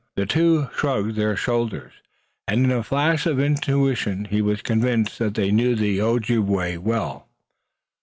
The two shrugged their shoulders, and in a flash of intuition he was convinced that they knew the Ojibway well.